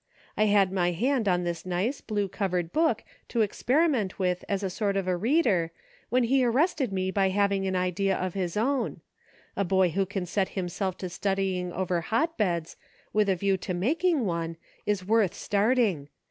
.1 had my hand on this nice, blue covered book to experiment with as a sort of a reader, when he arrested me by having an idea of his own. A boy who can set himself to studying over hotbeds, with a view to making one, is worth starting.